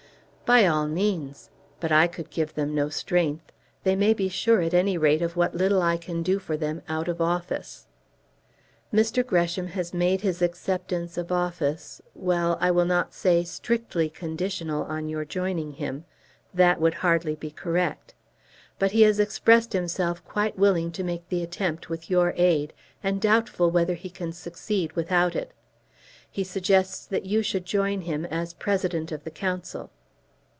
"By all means. But I could give them no strength. They may be sure at any rate of what little I can do for them out of office." "Mr. Gresham has made his acceptance of office, well, I will not say strictly conditional on your joining him. That would hardly be correct. But he has expressed himself quite willing to make the attempt with your aid, and doubtful whether he can succeed without it. He suggests that you should join him as President of the Council."